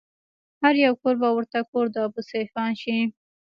هر يو کور به ورته کور د ابوسفيان شي